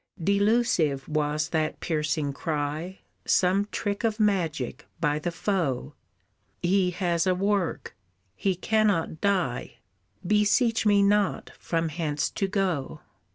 Delusive was that piercing cry, Some trick of magic by the foe; He has a work, he cannot die, Beseech me not from hence to go.